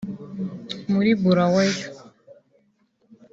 muri Bulawayo